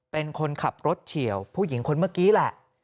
เป็นคนขับรถเฉียวผู้หญิงคนเมื่อกี้แหละ